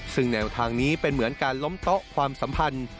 ซึ่งแนวทางนี้เป็นเหมือนการล้มโต๊ะความสัมพันธ์